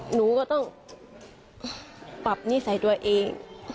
หนูก็ต้องปรับนิสัยตัวเอง